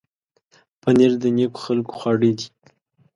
پنېر د نېکو خلکو خواړه دي.